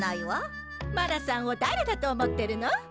マナさんをだれだと思ってるの？